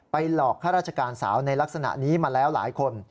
หลอกข้าราชการสาวในลักษณะนี้มาแล้วหลายคน